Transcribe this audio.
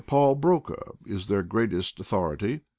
Paul Broca is their greatest au thority.